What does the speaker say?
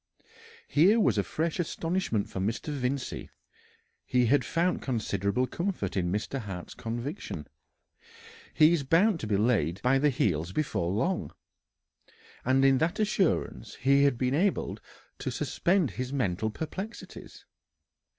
Here was a fresh astonishment for Mr. Vincey. He had found considerable comfort in Mr. Hart's conviction: "He is bound to be laid by the heels before long," and in that assurance he had been able to suspend his mental perplexities.